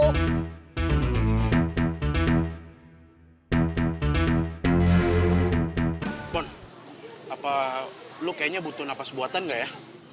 mohon apa lo kayaknya butuh napas buatan gak ya